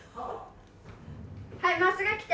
はいまっすぐ来て！